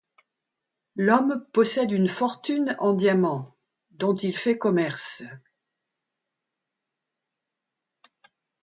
L'homme possède une fortune en diamants dont il fait commerce.